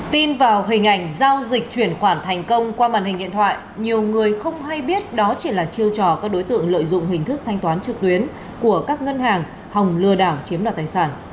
tin vào hình ảnh giao dịch chuyển khoản thành công qua màn hình điện thoại nhiều người không hay biết đó chỉ là chiêu trò các đối tượng lợi dụng hình thức thanh toán trực tuyến của các ngân hàng hồng lừa đảo chiếm đoạt tài sản